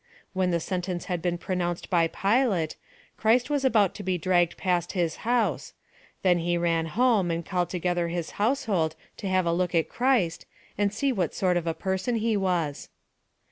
When the sentence had been pronounced by Pilate, Christ was about to be dragged past his house; then he ran home, and called together his household to have a look at Christ, and see what sort of a person He was.